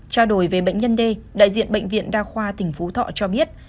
tra đổi về bệnh nhân đê đại diện bệnh viện đa khoa tỉnh phú thọ cho biết